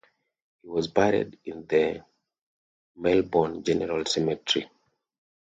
He was buried in the Melbourne General Cemetery.